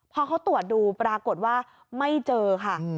พอเขาตรวจดูปรากฏว่าไม่เจอค่ะ